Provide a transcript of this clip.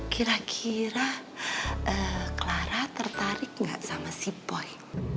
kira kira clara tertarik nggak sama si boy